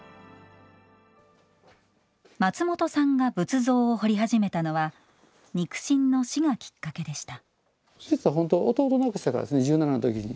松本さんが仏像を彫り始めたのは肉親の死がきっかけでした。